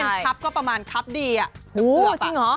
ถ้าเป็นครับก็ประมาณครับดีอ่ะอู้วจริงเหรอ